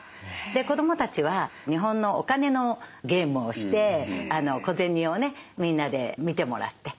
で子どもたちは日本のお金のゲームをして小銭をねみんなで見てもらって。